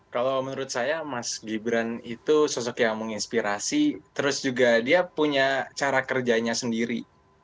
kalau menurut saya mas gibran itu sosok yang menginspirasi terus juga dia punya cara kerjanya sendiri